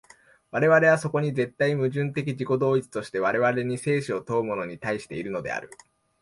我々はそこに絶対矛盾的自己同一として、我々に生死を問うものに対しているのである。